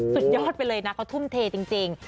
สุดยอดไปเลยนะเขาทุ่มเทจริง